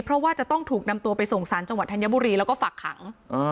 เพราะว่าจะต้องถูกนำตัวไปส่งสารจังหวัดธัญบุรีแล้วก็ฝักขัง